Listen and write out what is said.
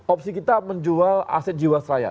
opsi kita menjual aset jiwa saya